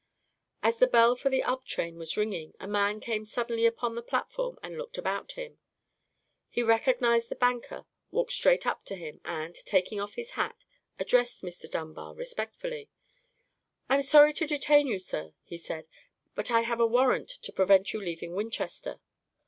As the bell for the up train was ringing, a man came suddenly upon the platform and looked about him. He recognized the banker, walked straight up to him, and, taking off his hat, addressed Mr. Dunbar respectfully. "I am sorry to detain you, sir," he said; "but I have a warrant to prevent you leaving Winchester."